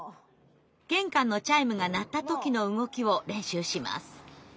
玄関のチャイムが鳴った時の動きを練習します。